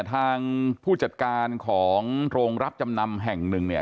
ทางผู้จัดการของโรงรับจำนำแห่งหนึ่งเนี่ย